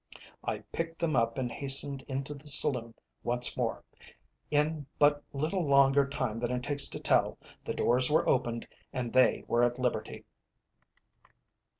I picked them up and hastened into the saloon once more. In but little longer time than it takes to tell, the doors were opened, and they were at liberty.